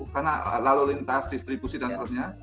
karena lalu lintas distribusi dan setelahnya